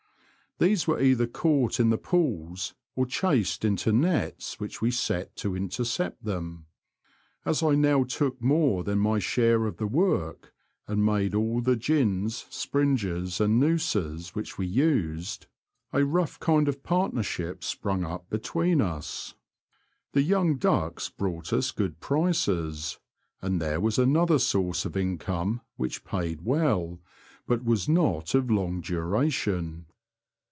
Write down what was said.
These were either caught in the pools, or chased into nets which we set to intercept them. As I now took more than my share of the work, and made all the gins, springes, and noozes which we used, a rough kind of partnership sprung The Confessions of a T^oacher, 37 up between us. The young ducks brought us good prices, and there was another source of income which paid well, but was not of long duration.